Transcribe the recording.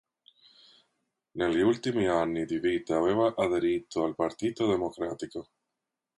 Negli ultimi anni di vita aveva aderito al Partito Democratico.